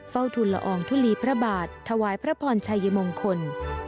ทุนละอองทุลีพระบาทถวายพระพรชัยมงคล